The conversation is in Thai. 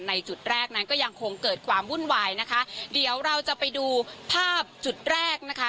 จุดแรกนั้นก็ยังคงเกิดความวุ่นวายนะคะเดี๋ยวเราจะไปดูภาพจุดแรกนะคะ